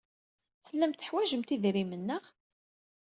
Tellamt teḥwajemt idrimen, naɣ?